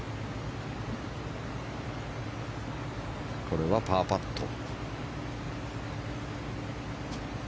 これはパーパット。